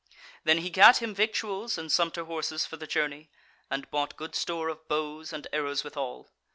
Then he gat him victuals and sumpter horses for the journey, and bought good store of bows and arrows withal.